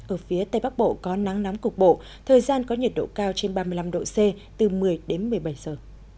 ở phía tây bắc bộ có nắng nóng cục bộ thời gian có nhiệt độ cao trên ba mươi năm độ c từ một mươi đến một mươi bảy giờ